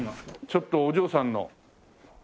ちょっとお嬢さんの。